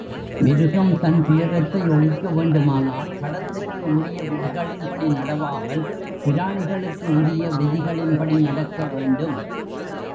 மிருகம் தன் துயரத்தை ஒழிக்க வேண்டுமானால், சடத்திற்கு உரிய விதிகளின்படி நடவாமல், பிராணிகளுக்கு உரிய விதிகளின்படி நடக்க வேண்டும்.